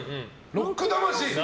ロック魂。